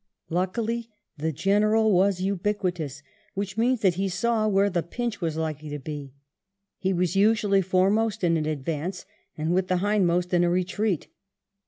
Luckily, the General was ubiquitous, which means that he saw where the pinch was likely to be. He was usually foremost in an advance, and with the hindmost in a retreat.